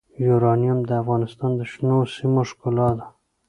یورانیم د افغانستان د شنو سیمو ښکلا ده.